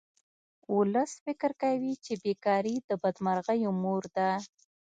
ولس فکر کوي چې بې کاري د بدمرغیو مور ده